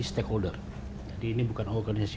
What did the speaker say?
stakeholder jadi ini bukan organisasi